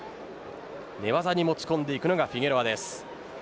寝技に持ち込んでいくのがフィゲロアです。